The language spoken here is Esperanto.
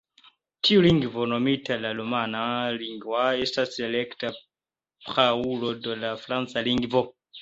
Tiu lingvo, nomita la "romana lingua", estas la rekta praulo de la franca lingvo.